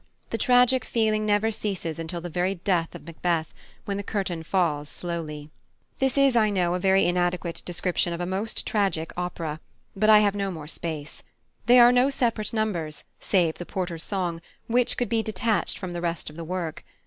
The tragic feeling never ceases until the very death of Macbeth, when the curtain falls slowly. This is, I know, a very inadequate description of a most tragic opera, but I have no more space. There are no separate numbers, save the Porter's song, which could be detached from the rest of the work.